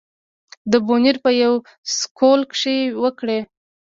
د بونېر پۀ يو سکول کښې وکړې